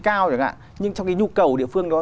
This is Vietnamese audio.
cao chẳng hạn nhưng trong cái nhu cầu địa phương đó